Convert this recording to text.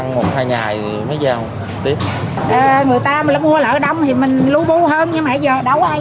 người ta ăn một hai ngày mới giao tiếp người ta mua lợi đông thì mình lưu bưu hơn nhưng mà giờ đâu có ai